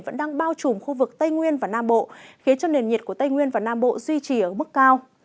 vẫn đang bao trùm khu vực tây nguyên và nam bộ khiến cho nền nhiệt của tây nguyên và nam bộ duy trì ở mức cao